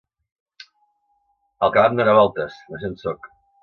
El cap em dóna voltes: no sé on sóc.